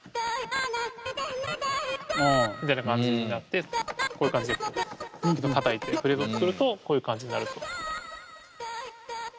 みたいな感じになってこういう感じでたたいてフレーズを作るとこういう感じになると。